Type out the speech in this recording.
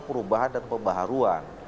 perubahan dan pembaruan